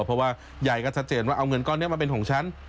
เพราะว่ายายก็ชัดเจนว่าเอาเงินก้อนนี้มาเป็นของฉัน